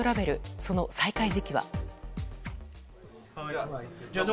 その再開時期は。